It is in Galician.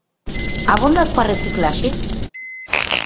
Abonda coa reciclaxe?